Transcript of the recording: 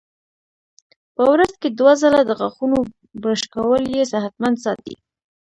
په ورځ کې دوه ځله د غاښونو برش کول یې صحتمند ساتي.